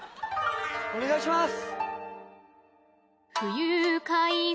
お願いします！